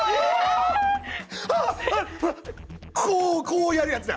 こうこうやるやつだ。